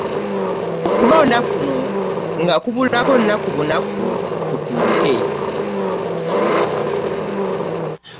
Okulonda kuno nga kubulako nnaku bunaku kutuuke